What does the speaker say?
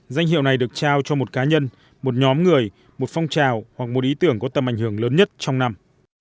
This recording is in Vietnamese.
danh hiệu này được trao cho một cá nhân một nhóm người một phong trào hoặc một ý tưởng có tầm ảnh hưởng lớn nhất trong năm